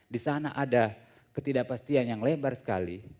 di sana ada ketidakpastian yang lebar sekali